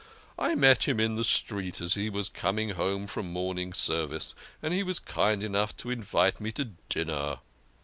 I met him in the street as he was coming home from morning service, and he was kind enough to invite me to dinner."